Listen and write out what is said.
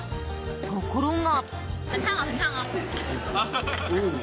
ところが。